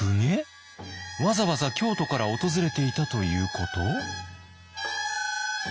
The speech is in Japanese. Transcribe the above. わざわざ京都から訪れていたということ？